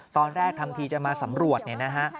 ตอนแรกทำทีจะมาสำรวจเนี่ยนะฮะ